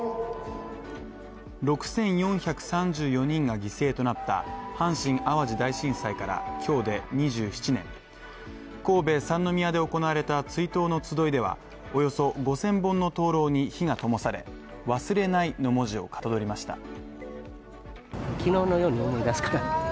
６４３４人が犠牲となった阪神・淡路大震災から今日で２７年神戸・三宮で行われた追悼の集いでは、およそ５，０００本の灯籠に火がともされ、忘れないの文字をかたどりました。